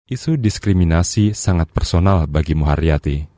isu diskriminasi sangat personal bagi muharyati